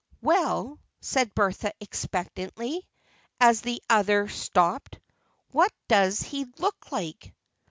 "Well," said Bertha expectantly, as the other stopped, "what does he look like?"